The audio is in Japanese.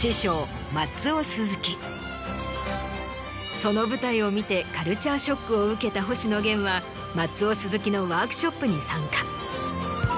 その舞台を見てカルチャーショックを受けた星野源は松尾スズキのワークショップに参加。